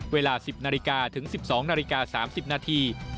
เวลา๑๐นาฬิกาถึง๑๒นาฬิกา๓๐นาที